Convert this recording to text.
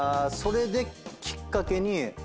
それできっかけに。